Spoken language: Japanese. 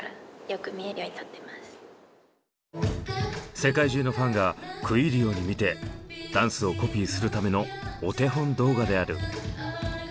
世界中のファンが食い入るように見てダンスをコピーするためのお手本動画である。